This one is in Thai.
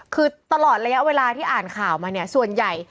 คือตลอดระยะเวลาที่อ่านข่าวมาเนี่ยส่วนใหญ่